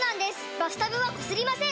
バスタブはこすりません！